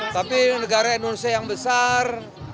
tapi negara indonesia yang besar